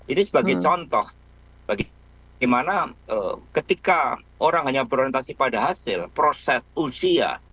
ini sebagai contoh bagi gimana ketika orang hanya berorientasi pada hasil proses usia